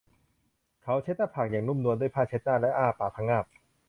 เขาเช็ดหน้าผากอย่างนุ่มนวลด้วยผ้าเช็ดหน้าและอ้าปากพะงาบ